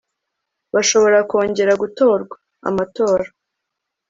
bashobora kongera gutorwa amatora